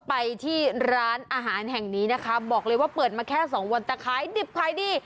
ไปที่ร้านอาหารแห่งนี้นะคะบอกเลยว่าเปิดมาแค่สองวันแต่ขายดิบขายดี